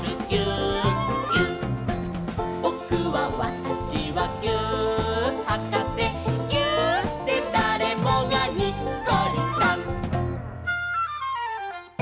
「ぼくはわたしはぎゅーっはかせ」「ぎゅーっでだれもがにっこりさん！」